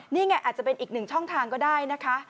นี่ไงอาจจะเป็นอีกหนึ่งช่องทางก็ได้นะคะ